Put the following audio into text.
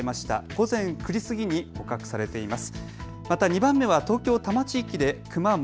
午前９時過ぎに捕獲されています。